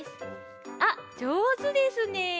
あっじょうずですね。